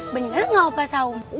bener gak opa saum